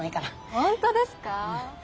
本当ですか？